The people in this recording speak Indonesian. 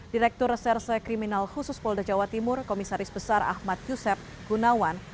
direktur reserse kriminal khusus polda jawa timur komisaris besar ahmad yusef gunawan